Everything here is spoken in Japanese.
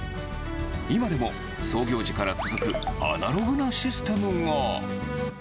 今でも創業時から続くアナログなシステムが。